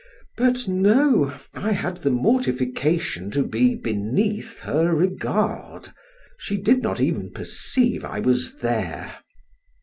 but no, I had the mortification to be beneath her regard; she did not even perceive I was there.